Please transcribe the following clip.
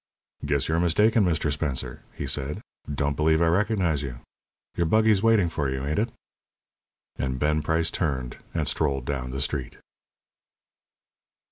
"Guess you're mistaken, Mr. Spencer," he said. "Don't believe I recognize you. Your buggy's waiting for you, ain't it?" And Ben Price turned and strolled down the street.